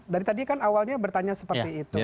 dari tadi kan awalnya bertanya seperti itu